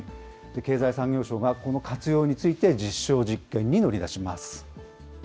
経済産業省がこの活用について実証実験に乗り出します。